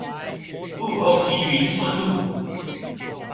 霧峰區林森路